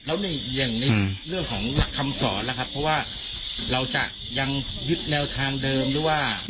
แล้วในอย่างในเรื่องของหลักคำสอนล่ะครับเพราะว่าเราจะยังยึดแนวทางเดิมหรือว่า